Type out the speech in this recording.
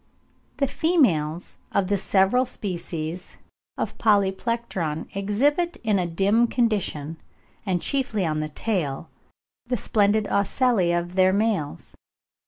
The females of the several species of Polyplectron exhibit in a dim condition, and chiefly on the tail, the splendid ocelli of their males.